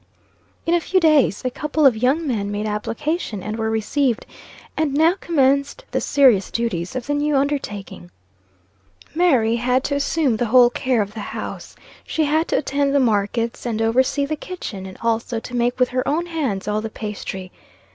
In a few days, a couple of young men made application, and were received, and now commenced the serious duties of the new undertaking. Mary had to assume the whole care of the house. She had to attend the markets, and oversee the kitchen, and also to make with her own hands all the pastry.